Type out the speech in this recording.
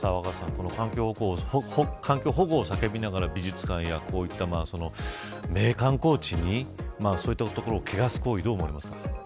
この環境保護を叫びながら美術館やこういった名観光地にそういった所を汚す行為どう思いますか。